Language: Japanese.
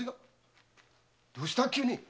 どうした急に？